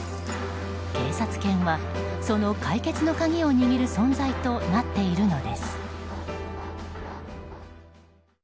警察犬は、その解決の鍵を握る存在となっているのです。